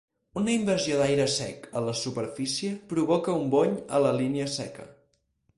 Una invasió d'aire sec a la superfície provoca un bony a la línia seca.